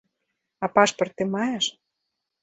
А пашпарт ты маеш?